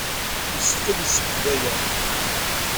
Yessefk ad yessebded aya.